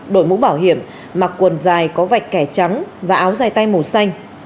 đổi mũ bảo hiểm mặc quần dài có vạch kẻ trắng và áo dài tay màu xanh